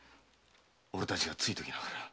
俺たちがついていながら。